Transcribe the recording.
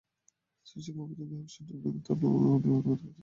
যেসব অবৈধ গ্রাহক সংযোগ নিয়মিত করার আবেদন করেছেন, তাদের নিয়মিত করা হচ্ছে।